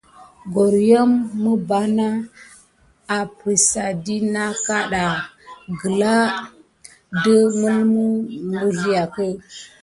Goryom miɓanà aprisa ɗi nà na kaɗa gəla dət məlməw məwsliakə.